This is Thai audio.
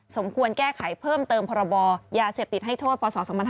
สมควรแก้ไขเพิ่มเติมพรบยาเสพติดให้โทษพศ๒๕๕๙